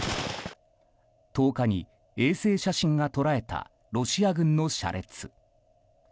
１０日に衛星写真が捉えたロシア軍の車列。